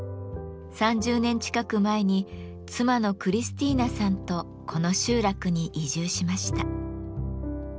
３０年近く前に妻のクリスティーナさんとこの集落に移住しました。